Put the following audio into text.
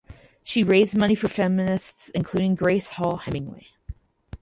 She raised money for feminists including Grace Hall Hemingway.